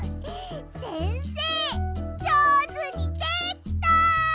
せんせいじょうずにできた！